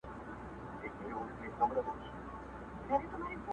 د زمري داسي تابع وو لکه مړی!